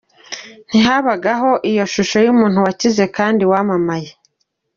Ntihabagaho iyo shusho y’umuntu wakize kandi wamamaye.